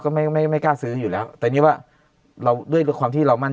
ก็ไม่ไม่กล้าซื้ออยู่แล้วแต่นี่ว่าเราด้วยความที่เรามั่น